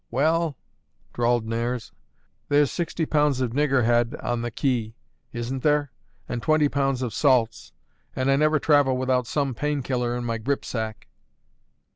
"Well," drawled Nares, "there's sixty pounds of niggerhead on the quay, isn't there? and twenty pounds of salts; and I never travel without some painkiller in my gripsack."